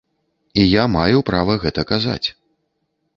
І я маю права гэта казаць.